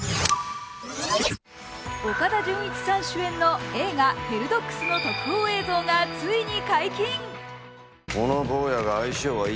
岡田准一さん主演の映画「ヘルドッグス」の特報映像がついに解禁。